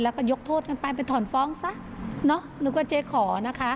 แล้วก็ยกโทษกันไปไปถอนฟ้องซะเนอะนึกว่าเจ๊ขอนะคะ